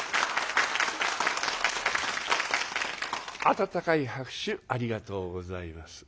温かい拍手ありがとうございます。